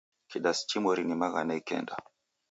Kidasi chimweri ni maghana ikenda.